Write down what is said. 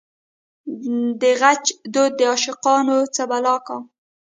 دغچ دود دعاشقانو څه بلا کا